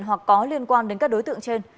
hoặc có liên quan đến các đối tượng trên